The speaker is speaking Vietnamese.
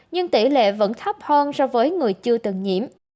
nhưng tỷ lệ vẫn thấp hơn so với người chưa từng nhiễm